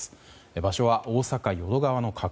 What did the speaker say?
場所は大阪・淀川の河口。